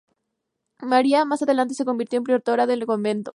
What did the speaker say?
María más adelante se convirtió en priora del convento.